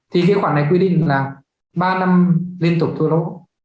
thì cái khoản này quy định là ba năm liên tục thôi lỗ